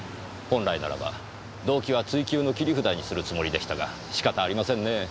本来ならば動機は追及の切り札にするつもりでしたが仕方ありませんねぇ。